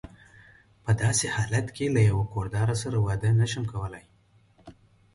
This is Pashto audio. په داسې حالت کې له یوه کور داره سره واده نه شم کولای.